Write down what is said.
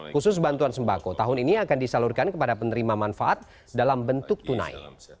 khusus bantuan sembako tahun ini akan disalurkan kepada penerima manfaat dalam bentuk tunai